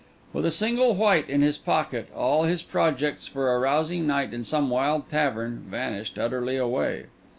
With a single white in his pocket, all his projects for a rousing night in some wild tavern vanished utterly away.